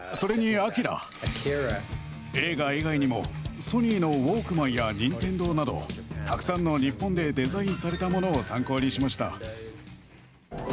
映画以外にもソニーのウォークマンやニンテンドーなどたくさんの日本でデザインされたものを参考にしました。